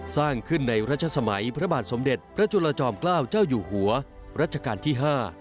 สร้างขึ้นในรัชสมัยพระบาทสมเด็จพระจุลจอมเกล้าเจ้าอยู่หัวรัชกาลที่๕